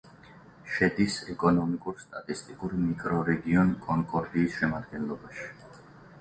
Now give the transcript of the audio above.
შედის ეკონომიკურ-სტატისტიკურ მიკრორეგიონ კონკორდიის შემადგენლობაში.